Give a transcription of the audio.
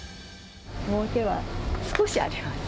もうけは少しあります。